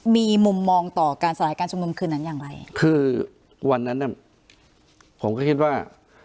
มีมุมมองต่อการสลายการชุมนุมคืนนั้นอย่างไรคือวันนั้นน่ะผมก็คิดว่า